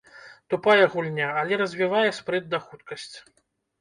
Тупая гульня, але развівае спрыт ды хуткасць.